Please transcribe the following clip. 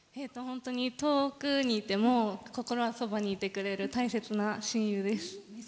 遠くにいても心はそばにいてくれる大切な親友です。